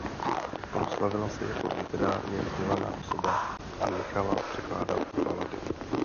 Proslavila se jako literárně vzdělaná osoba a nechala překládat balady.